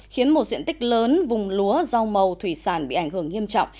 khiến một diện tích lớn vùng lúa rau màu thủy sản bị ảnh hưởng nghiêm trọng